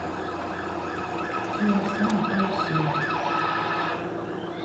Qui a faim n’est pas le seul